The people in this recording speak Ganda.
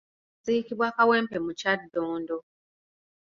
Yaziikibwa Kawempe mu Kyaddondo.